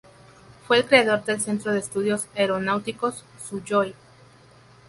Fue el creador del centro de estudios aeronáuticos Sujói.